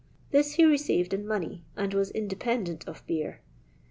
This he received in money, and was independent of beer.